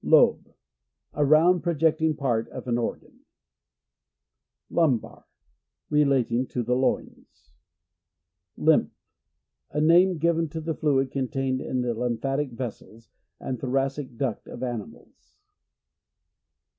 Lobe. — A round projecting part of an organ. Lumbar. — Relating to the loins. Lymph. — A name given to the fluid contained in the lymphatic vessels, and thoracic duct of animals.